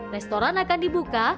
restoran akan dibuka